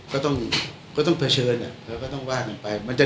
ก็ต้องก็ต้องเผชิญอ่ะเขาก็ต้องว่ากันไปมันจะ